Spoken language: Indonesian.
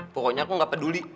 pokoknya aku gak peduli